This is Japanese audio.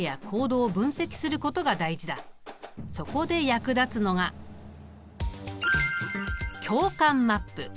そこで役立つのが共感マップ。